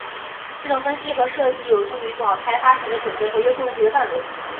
系统分析和设计有助于做好开发前的准备和约束问题的范围。